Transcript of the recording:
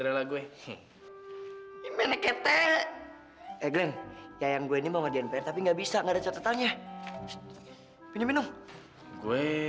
eh tungguin dong